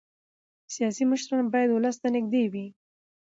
سیاسي مشران باید ولس ته نږدې وي